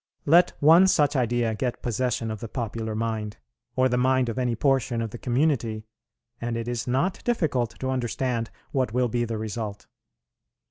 Let one such idea get possession of the popular mind, or the mind of any portion of the community, and it is not difficult to understand what will be the result.